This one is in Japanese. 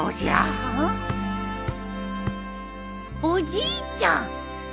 おじいちゃん！？